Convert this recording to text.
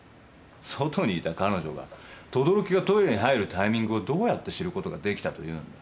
外にいた彼女が等々力がトイレに入るタイミングをどうやって知ることができたというんだ。